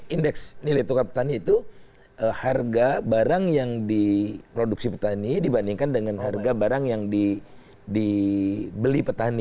indeks nilai tukar petani itu harga barang yang diproduksi petani dibandingkan dengan harga barang yang dibeli petani